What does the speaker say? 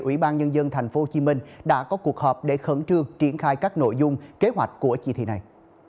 ủy ban nhân dân tp hcm đã có cuộc họp để khẩn trương triển khai các nội dung kế hoạch của chỉ thị này